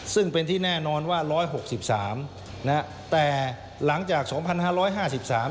ซึ่งเป็นที่แน่นอนว่าร้อยหกสิบสามนะฮะแต่หลังจากสองพันห้าร้อยห้าสิบสาม